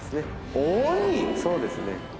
そうですね。